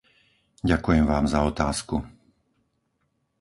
Ďakujem vám za otázku.